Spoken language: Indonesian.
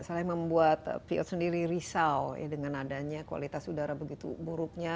salah yang membuat piot sendiri risau dengan adanya kualitas udara begitu muruknya